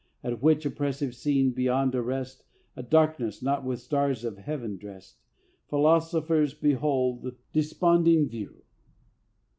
At which oppressive scene, beyond arrest, A darkness not with stars of heaven dressed, Philosophers behold; desponding view.